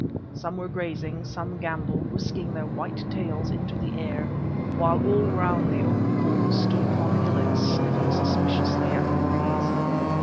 Some were grazing, some gambolled, whisking their white tails into the air, while all round the old bulls stood upon hillocks sniffing suspiciously at the breeze.